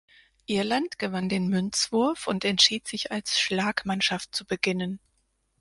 Irland gewann den Münzwurf und entschied sich als Schlagmannschaft zu beginnen.